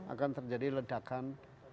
akan terjadi ledakan